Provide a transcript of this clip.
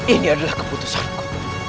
ini adalah keputusanku